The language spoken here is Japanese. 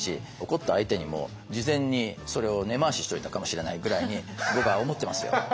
怒った相手にも事前にそれを根回ししといたかもしれないぐらいに僕は思ってますよ。